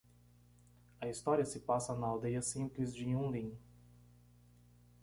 A história se passa na aldeia simples de Yunlin